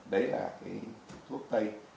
đấy là cái thuốc tây